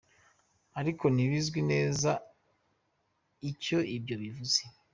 Ariko ntibizwi neza icyo ibyo bivuze.